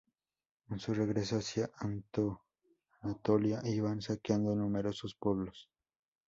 En su regreso hacia Anatolia, iban saqueando numerosos pueblos.